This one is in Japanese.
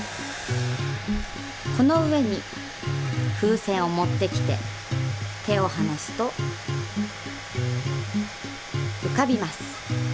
この上に風船を持ってきて手をはなすと浮かびます。